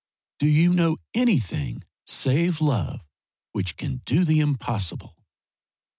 Do you know anything save love which can do the impossible?"